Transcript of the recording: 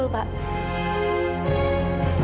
aku sama dia